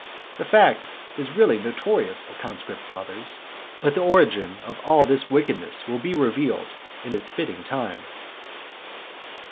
The fact is already notorious, O conscript fathers, but the origin of all this wickedness will be revealed in its fitting time.